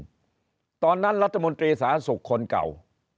เพราะฉะนั้นรัฐมนตรีสหสุขคนเก่า